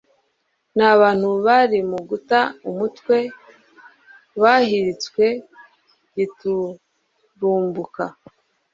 nabantu bari mu guta umutwe bahiritswe giturumbuka